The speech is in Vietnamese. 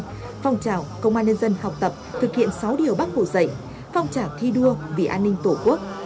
tuyên truyền phong trào công an nhân dân học tập thực hiện sáu điều bác hổ dạy phong trả thi đua vì an ninh tổ quốc